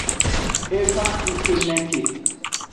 E va ngkeneke.